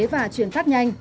và chuyển phát nhanh